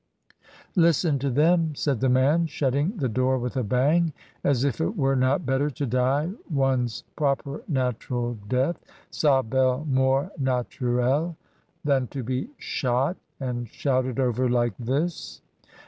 "Listen to them," said the man, shutting the door with a bang, "as if it were not better to die one's proper natural death (sa belle mori naiurelle) than to be shot and shouted over like this!"